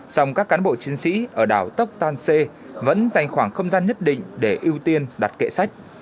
dòng các cán bộ chiến sĩ ở đảo tốc tan xê vẫn dành khoảng không gian nhất định để ưu tiên đặt kệ sách